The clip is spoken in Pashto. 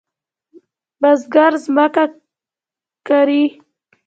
بزګر زمکه کوري.